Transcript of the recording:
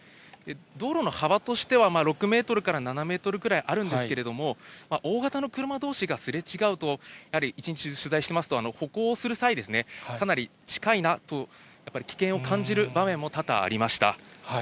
道路の幅としては、６メートルから７メートルくらいあるんですけれども、大型の車どうしがすれ違うと、やはり一日中、取材していますと、歩行する際、かなり近いなと、やっぱり危険を感じる場面も多々ありました。